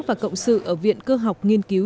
và cộng sự ở viện cơ học nghiên cứu